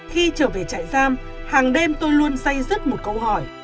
khi trở về chạy giam hàng đêm tôi luôn say rứt một câu hỏi